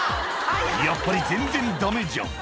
「やっぱり全然ダメじゃん」